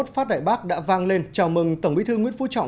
hai mươi một phát đại bắc đã vang lên chào mừng tổng bí thư nguyễn phú trọng